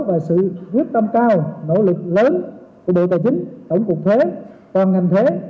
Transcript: và sự quyết tâm cao nỗ lực lớn của bộ tài chính tổng cục thuế toàn ngành thuế